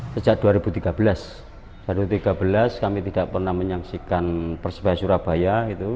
sejak dua ribu tiga belas kami tidak pernah menyaksikan persebaya surabaya